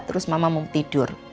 terus mama mau tidur